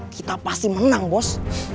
kita pasti menang bos